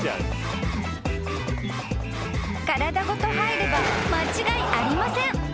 ［体ごと入れば間違いありません］